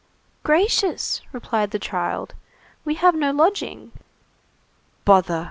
"Gracious," replied the child, "we have no lodging." "Bother!"